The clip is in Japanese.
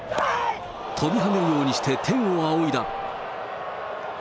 飛び跳ねるようにして天を仰いだ。